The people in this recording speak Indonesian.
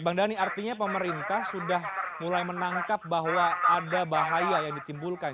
bang dhani artinya pemerintah sudah mulai menangkap bahwa ada bahaya yang ditimbulkan